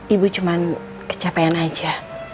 ibu cuma kecapean aja